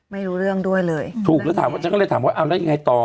ไม่รู้เรื่องด้วยเลยถูกแล้วถามว่าฉันก็เลยถามว่าเอาแล้วยังไงต่อ